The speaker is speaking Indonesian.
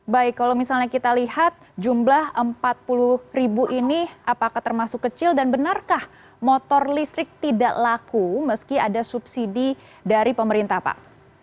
baik kalau misalnya kita lihat jumlah empat puluh ribu ini apakah termasuk kecil dan benarkah motor listrik tidak laku meski ada subsidi dari pemerintah pak